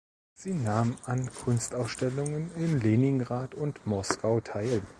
Sie nahm an Kunstausstellungen in Leningrad und Moskau teil.